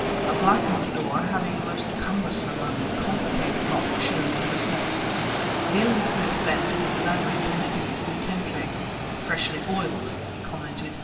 A blackened door, having a most cumbersome and complicated lock, showed in the recess. Nayland Smith bent and examined the mechanism intently. "Freshly oiled!" he commented.